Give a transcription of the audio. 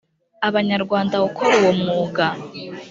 abanyarwanda gukora uwo mwuga